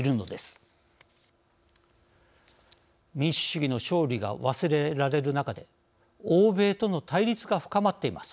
「民主主義の勝利」が忘れられる中で欧米との対立が深まっています。